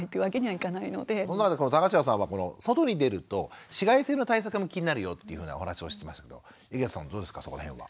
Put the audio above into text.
田頭さんは外に出ると紫外線の対策も気になるよというふうなお話もしてましたけど井桁さんどうですかそこの辺は。